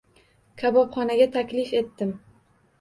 Kabobxonaga taklif etdim.